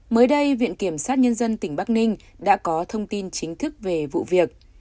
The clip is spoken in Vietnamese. mới đây viện kiểm sát nhân dân tỉnh bắc ninh đã có thông tin chính thức về vụ việc